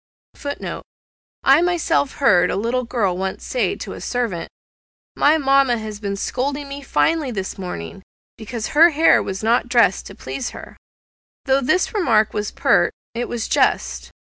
(*Footnote. I myself heard a little girl once say to a servant, "My mamma has been scolding me finely this morning, because her hair was not dressed to please her." Though this remark was pert, it was just.